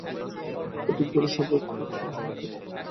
প্রতীকগুলি স্বভাবত উৎপন্ন হইয়া থাকে।